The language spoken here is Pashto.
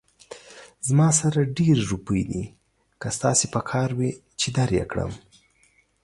زما سره ډېرې روپۍ دي، که ستاسې پکار وي، چې در يې کړم